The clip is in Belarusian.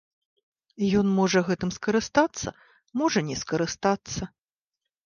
Ён можа гэтым скарыстацца, можа не скарыстацца.